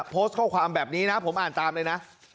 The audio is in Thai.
โพสต์ข้อความแบบนี้นะผมอ่านตามเลยนะ